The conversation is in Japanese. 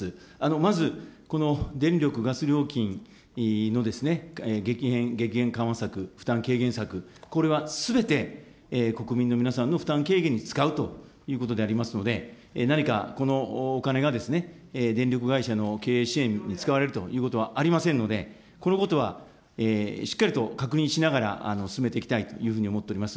まず、この電力・ガス料金の激変緩和策、負担軽減策、これはすべて国民の皆さんの負担軽減に使うということでありますので、何かこのお金が、電力会社の経営支援に使われるということはありませんので、このことはしっかりと確認しながら、進めていきたいというふうに思っております。